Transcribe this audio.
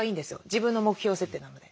自分の目標設定なので。